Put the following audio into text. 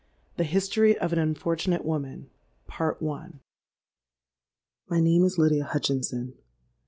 THE HISTORY OF AN UNFORTUNATE WOMAN. "My name is Lydia Hutchinson.